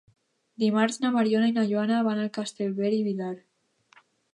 Dimarts na Mariona i na Joana van a Castellbell i el Vilar.